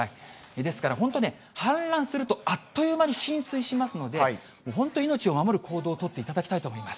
ですから本当ね、氾濫するとあっという間に浸水しますので、本当命を守る行動を取っていただきたいと思います。